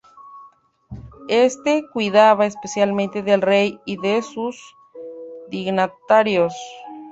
Éste cuidaba especialmente del rey y de sus dignatarios.